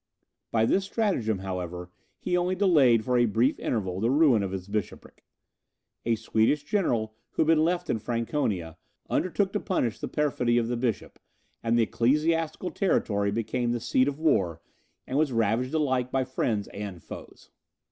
By this stratagem, however, he only delayed for a brief interval the ruin of his bishopric. A Swedish general who had been left in Franconia, undertook to punish the perfidy of the bishop; and the ecclesiastical territory became the seat of war, and was ravaged alike by friends and foes.